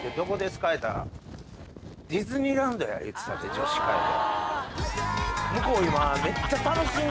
「女子会」で。